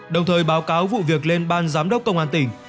đồng thời báo cáo vụ việc lên ban giám đốc công an tỉnh